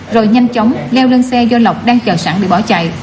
rồi nhanh chóng leo lên xe do lộc đang chờ sẵn để bỏ chạy